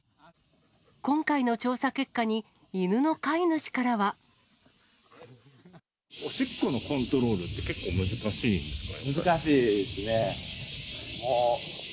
今回の調査結果に、犬の飼いおしっこのコントロールって難しいですね。